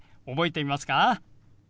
覚えていますか？